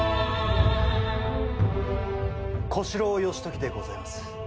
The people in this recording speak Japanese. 小四郎義時でございます。